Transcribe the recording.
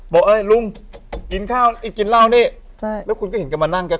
เอ้ยลุงกินข้าวไอ้กินเหล้านี่ใช่แล้วคุณก็เห็นกันมานั่งกัน